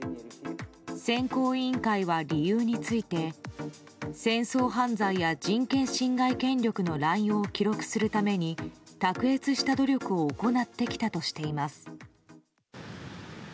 選考委員会は理由について戦争犯罪や人権侵害権力の乱用を記録するために卓越した努力を行ってきたとしています。